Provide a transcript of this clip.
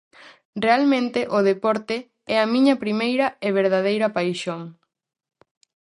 Realmente o deporte é a miña primeira e verdadeira paixón.